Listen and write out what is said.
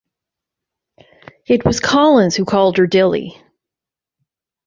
It was Collins who called her Dilly.